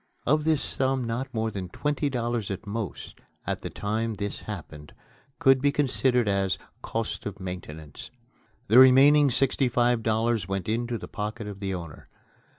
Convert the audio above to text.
Of this sum not more than twenty dollars at most, at the time this happened, could be considered as "cost of maintenance." The remaining sixty five dollars went into the pocket of the owner.